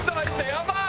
やばい。